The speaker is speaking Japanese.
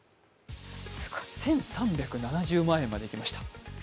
１３７０万円までいきました。